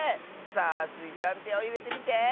さあスイちゃんてをいれてみて！